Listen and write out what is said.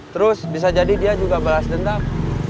terus bisa jadi dia juga balas dendam